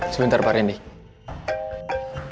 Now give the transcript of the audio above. sebentar pak rendy